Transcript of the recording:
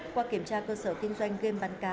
qua kiểm tra cơ sở kinh doanh game bán cá